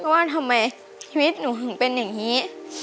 ว่าทำไมชีวิตหนูถึงเป็นอย่างนี้